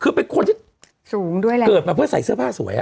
คือเป็นคนที่เกิดมาเพื่อใส่เสื้อผ้าสวย